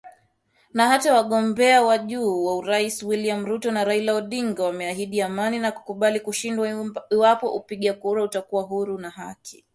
Na hata wagombea wa juu wa urais William Ruto na Raila Odinga wameahidi amani – na kukubali kushindwa iwapo upigaji kura utakuwa huru na wa haki